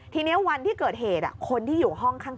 ทีนี้วันที่เกิดเหตุคนที่อยู่ห้องข้าง